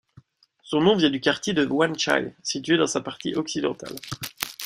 Son nom vient du quartier de Wan Chai, situé dans sa partie occidentale.